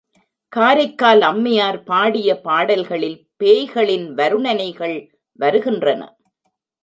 காரைக்கால் அம்மையார் பாடிய பாடல்களில் பேய்களின் வருணனைகள் வருகின்றன.